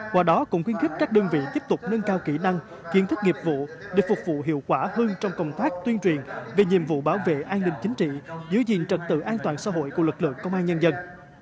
qua đó cũng khuyến khích các đơn vị tiếp tục nâng cao kỹ năng kiến thức nghiệp vụ để phục vụ hiệu quả hơn trong công tác tuyên truyền về nhiệm vụ bảo vệ an ninh chính trị giữ gìn trật tự an toàn xã hội của lực lượng công an nhân dân